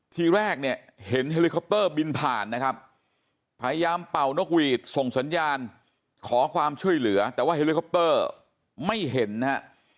ทีแรกเนี่ยเห็นเฮลิคอปเตอร์บินผ่านนะครับพยายามเป่านกหวีดส่งสัญญาณขอความช่วยเหลือแต่ว่าเฮลิคอปเตอร์ไม่เห็นนะฮะ